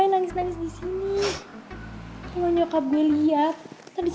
ibu tidak terlalu dim abgeord regulasi seas digital atau biasa